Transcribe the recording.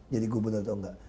jadi gubernur atau nggak